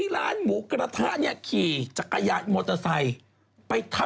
เหลือ๔นาทีจะเอาอะไรอีก